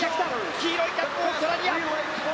黄色いキャップオーストラリア。